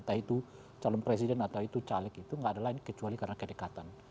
entah itu calon presiden atau itu caleg itu nggak ada lain kecuali karena kedekatan